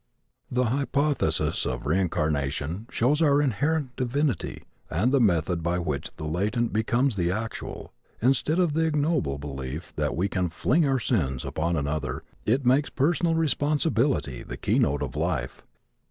The hypothesis of reincarnation shows our inherent divinity and the method by which the latent becomes the actual. Instead of the ignoble belief that we can fling our sins upon another it makes personal responsibility the keynote of life.